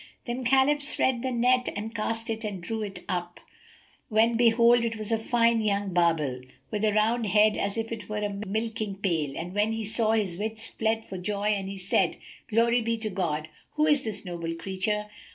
Then Khalif spread the net and cast it and drew it up, when behold, in it was a fine young barbel[FN#271] with a round head, as it were a milking pail, which when he saw, his wits fled for joy and he said, "Glory be to God! What is this noble creature?